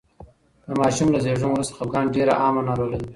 د ماشوم له زېږون وروسته خپګان ډېره عامه ناروغي ده.